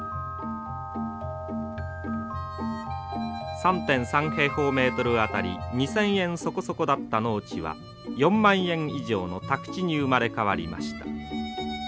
３．３平方メートル当たり２，０００円そこそこだった農地は４万円以上の宅地に生まれ変わりました。